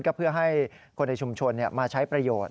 ก็เพื่อให้คนในชุมชนมาใช้ประโยชน์